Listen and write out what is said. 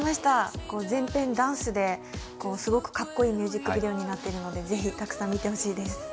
全編ダンスですごくかっこいいミュージックビデオになっているのでぜひ、たくさん見てほしいです。